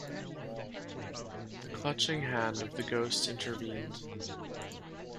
The clutching hand of the ghost intervened.